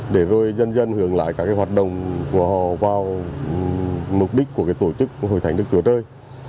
để rồi dân dân hưởng lại các hoạt động của họ vào mục đích của tổ chức hội thánh đức chúa trời